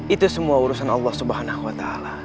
itu semua urusan allah swt